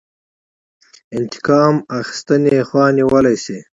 انتقام اخیستنې خوا نیولی شي.